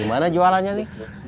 gimana jualannya nih